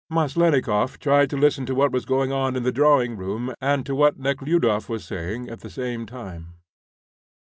Maslennikoff tried to listen to what was going on in the drawing room and to what Nekhludoff was saying at the same time.